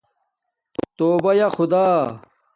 توبہ یݳ خدا